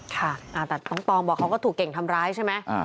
ค่ะแต่น้องตองบอกเขาก็ถูกเก่งทำร้ายใช่ไหม